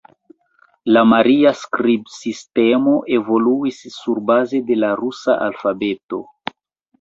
La maria skribsistemo evoluis surbaze de la rusa alfabeto.